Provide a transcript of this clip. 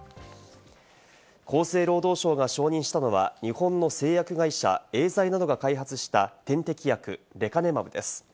厚生労働省が承認したのは、日本の製薬会社エーザイなどが開発した点滴薬、レカネマブです。